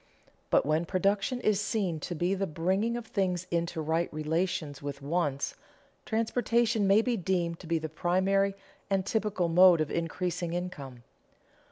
But when production is seen to be the bringing of things into right relations with wants, transportation may be deemed to be the primary and typical mode of increasing income.